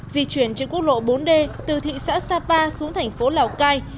di chuyển trên quốc lộ bốn d từ thị xã sapa xuống thành phố lào cai